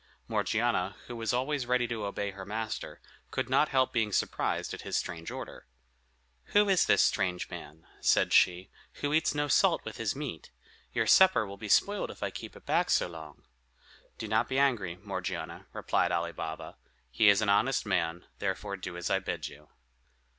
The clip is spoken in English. Morgiana, who was always ready to obey her master, could not help being surprised at his strange order. "Who is this strange man," said she, "who eats no salt with his meat? Your supper will be spoiled if I keep it back so long." "Do not be angry, Morgiana," replied Ali Baba; "he is an honest man, therefore do as I bid you."